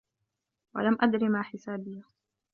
وَلَم أَدرِ ما حِسابِيَه